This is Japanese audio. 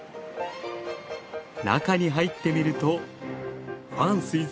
中に入ってみるとファン垂